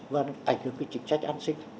và ảnh hưởng đến cái chính sách an sinh